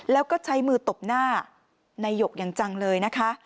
แล้วก็ใช้มือตบหน้านายหยกอย่างจังเลยนะคะ